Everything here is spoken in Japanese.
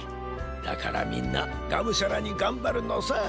だからみんながむしゃらにがんばるのさ。